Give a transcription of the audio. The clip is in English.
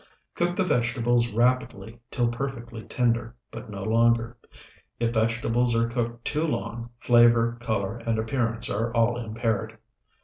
Cook the vegetables rapidly till perfectly tender, but no longer. If vegetables are cooked too long, flavor, color, and appearance are all impaired.